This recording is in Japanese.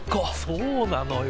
そうなのよ。